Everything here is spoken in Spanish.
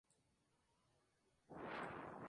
Su distribución llega hasta la ciudad de Caracas.